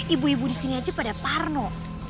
ibu ibu disini aja pada parno